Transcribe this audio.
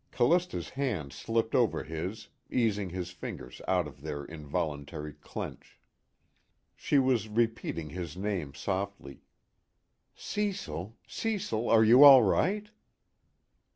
Callista's hand slipped over his, easing his fingers out of their involuntary clench. She was repeating his name softly: "Cecil Cecil are you all right?"